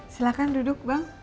silahkan duduk bang